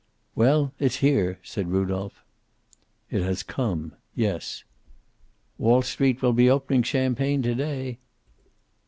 "Well, it's here!" said Rudolph. "It has come. Yes." "Wall Street will be opening champagne to day."